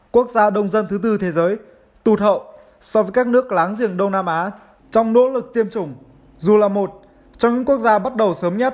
quốc gia đông dân thứ tư thế giới tụt hậu so với các nước láng giềng đông nam á trong nỗ lực tiêm chủng dù là một trong những quốc gia bắt đầu sớm nhất